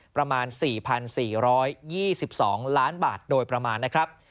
ประมาณ๔๔๒๒ล้านบาทโดยประมาณนะครับ